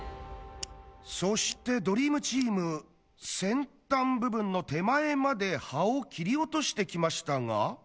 そしてドリームチーム先端部分の手前まで葉を切り落としてきましたが？